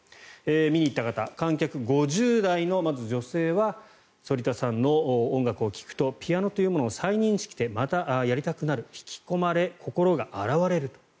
見に行った方観客５０代の女性は反田さんの音楽を聴くとピアノというものを再認識してまたやりたくなる引き込まれ、心が洗われると。